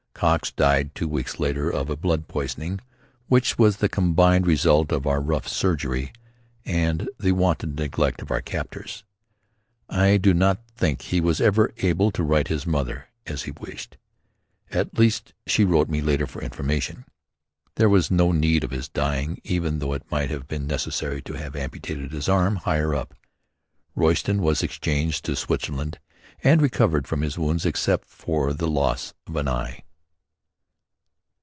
Cox died two weeks later of a blood poisoning which was the combined result of our rough surgery and the wanton neglect of our captors. I do not think he was ever able to write his mother as he wished. At least she wrote me later for information. There was no need of his dying even though it might have been necessary to have amputated his arm higher up. Royston was exchanged to Switzerland and recovered from his wounds except for the loss of an eye.